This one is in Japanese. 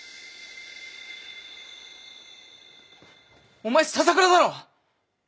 お前笹倉だろ。